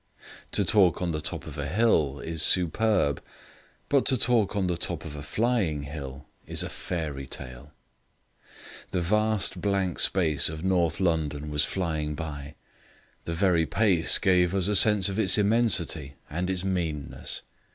To talk on the top of a hill is superb, but to talk on the top of a flying hill is a fairy tale. The vast blank space of North London was flying by; the very pace gave us a sense of its immensity and its meanness.